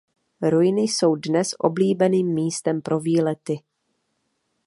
Ruiny jsou dnes oblíbeným místem pro výlety.